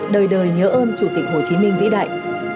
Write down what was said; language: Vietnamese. đời đời nhớ ơn chủ tịch hồ chí minh vĩ đại